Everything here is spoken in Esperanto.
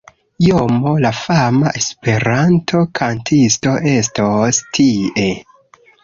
JoMo la fama Esperanto-kantisto estos tie